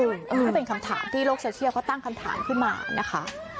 นี่เป็นคำถามที่โลกโซเชียลเขาตั้งคำถามขึ้นมานะคะ